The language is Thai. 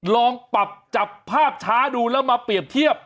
ลองปรับจับภาพช้าดูแล้วมาเปรียบเทียบ